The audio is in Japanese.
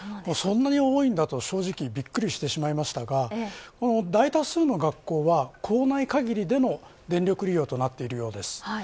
そんなに多いんだと正直びっくりしてしまいましたがこの大多数の学校は、校内限りでの電力利用となっているようです。